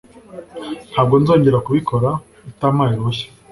Ntabwo nzongera kubikora utampaye uruhushya.